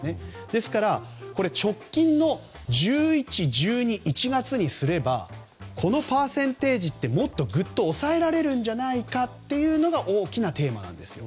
ですから直近の１１、１２、１月にすればこのパーセンテージってもっと抑えられるんじゃないかというのが大きなテーマなんですよ。